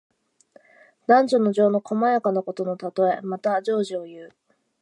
男女の情の細やかなことのたとえ。また、情事をいう。